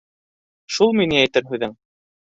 Шулмы ни әйтер һүҙең?